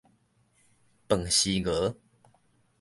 飯匙鵝